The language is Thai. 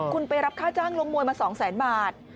คุณไปรับค่าจ้างลงมวยมา๒แสนบาท